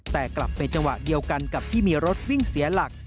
แต่กลับไปจังหวะเดียวกันกับที่มีรถวิ่งเสียหลัก